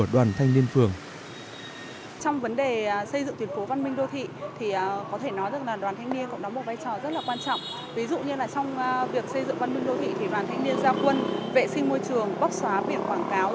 đoàn thanh niên giao quân vệ sinh môi trường bóc xóa biển quảng cáo